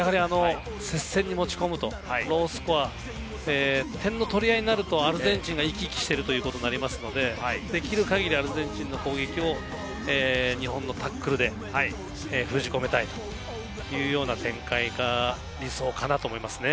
接戦に持ち込むとロースコア、点の取り合いになるとアルゼンチンが生き生きしているということになりますので、できるだけアルゼンチンの攻撃を日本のタックルで封じ込めたいというような展開が理想かなと思いますね。